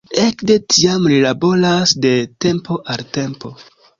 Ekde tiam li laboras de tempo al tempo.